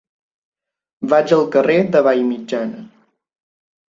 Vaig al carrer de Vallmitjana.